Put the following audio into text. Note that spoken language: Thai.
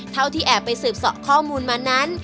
เท่าที่แอบไปสืบเสาะข้อมูลมานั้น